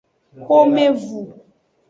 Xomevu.